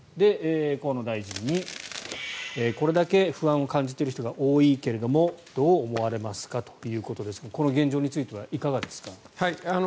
河野大臣にこれだけ不安を感じている人が多いけれどもどう思われますか？ということですがこの現状についてはいかがですか。